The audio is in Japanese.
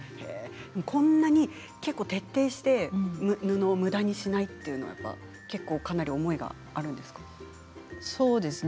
こんなに結構、徹底して布をむだにしないというのはかなり思いがあるんですか？